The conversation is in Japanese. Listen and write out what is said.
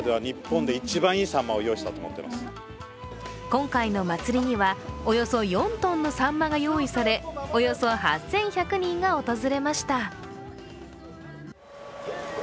今回の祭りには、およそ４ｔのさんまが用意され、およそ８１００人が訪れました。